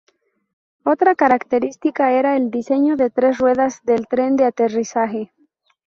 Otra característica era el diseño de tres ruedas del tren de aterrizaje.